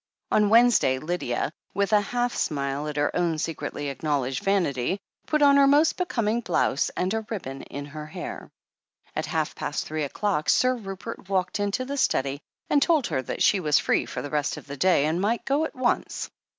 On Wednesday Lydia, with a half smile at her own secretly acknowledged vanity, put on her most becoming blouse and a ribbon in her hair. At half past three o'clock. Sir Rupert walked into the study and told her that she was free for the rest of the day, and might go at once.